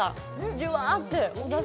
じわーって。